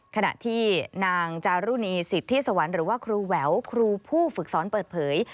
ขณะที่นางจารุณีสิทธิสวรรค์หรือว่าครูแหววครูผู้ฝึกสอนเปิดเผย